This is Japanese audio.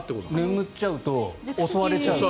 眠っちゃうと襲われちゃうから。